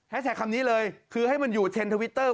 แท็กคำนี้เลยคือให้มันอยู่เทรนด์ทวิตเตอร์